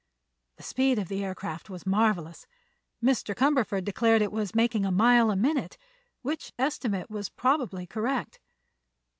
The speed of the aircraft was marvelous. Mr. Cumberford declared it was making a mile a minute, which estimate was probably correct.